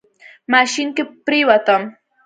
ماشين کې پرېوتم.